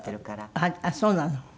あっそうなの。